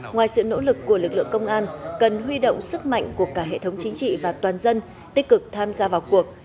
ngoài sự nỗ lực của lực lượng công an cần huy động sức mạnh của cả hệ thống chính trị và toàn dân tích cực tham gia vào cuộc